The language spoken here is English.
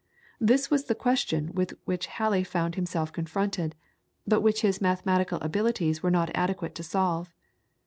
This was the question with which Halley found himself confronted, but which his mathematical abilities were not adequate to solve.